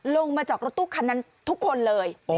ลงมาจากรถตู้คันนั้นทุกคนเลย